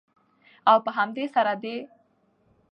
او په همدې سره د